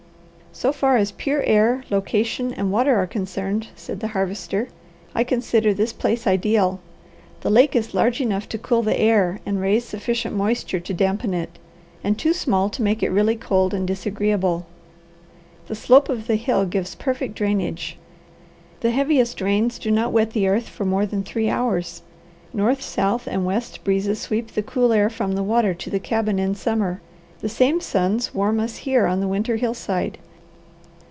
"So far as pure air, location, and water are concerned," said the Harvester, "I consider this place ideal. The lake is large enough to cool the air and raise sufficient moisture to dampen it, and too small to make it really cold and disagreeable. The slope of the hill gives perfect drainage. The heaviest rains do not wet the earth for more than three hours. North, south, and west breezes sweep the cool air from the water to the cabin in summer. The same suns warm us here on the winter hillside.